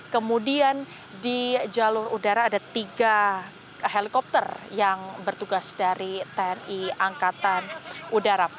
kemudian di jalur udara ada tiga helikopter yang bertugas dari tni angkatan udara